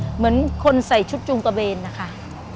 เหมือนคนใส่ชุดจูงตะเวนนะคะ